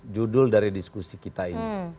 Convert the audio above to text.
judul dari diskusi kita ini